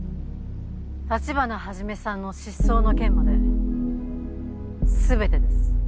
立花始さんの失踪の件まで全てです。